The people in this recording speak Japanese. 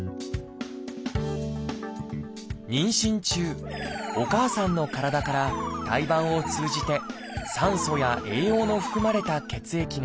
妊娠中お母さんの体から胎盤を通じて酸素や栄養の含まれた血液が送られます。